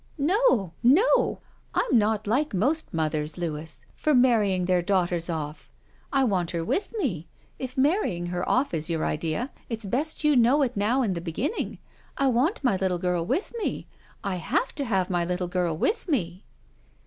"No! No! I'm not like most mothers, Louis, for marrying their daughters off. I want her with me. If marrying her off is your idea, it's best you know it now in the beginning. I want my little girl with me — I have to have my little girl with me!"